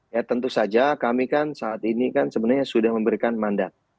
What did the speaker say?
ya tentu saja kami kan saat ini kan sebenarnya sudah memberikan mandat